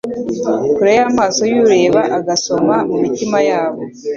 kure y'amaso y'ureba agasoma mu mitima yabo.